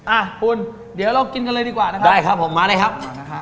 อ้าฮุ่นเดี๋ยวเรากินกันเลยดีกว่าได้ครับผมมาได้ครับ